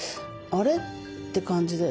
「あれ？」って感じで。